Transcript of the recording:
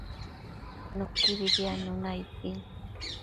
Nuquibi diadnuna aid din